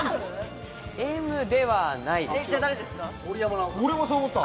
Ｍではないです。